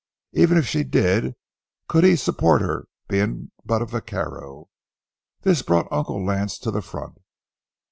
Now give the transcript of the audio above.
Even if she did, could he support her, being but a vaquero? This brought Uncle Lance to the front.